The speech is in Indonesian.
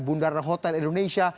bundaran hotel indonesia